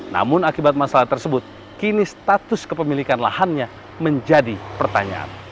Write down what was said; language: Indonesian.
namun akibat masalah tersebut kini status kepemilikan lahannya menjadi pertanyaan